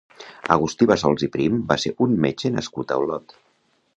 Agustí Bassols i Prim va ser un metge nascut a Olot.